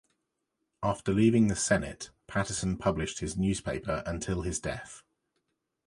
After leaving the Senate, Patterson published his newspaper until his death.